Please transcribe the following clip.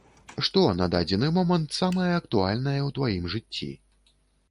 Што на дадзены момант самае актуальнае ў тваім жыцці?